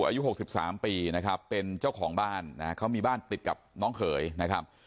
อายุ๖๓ปีนะครับเป็นเจ้าของบ้านนะเขามีบ้านติดกับน้องเขยนะครับ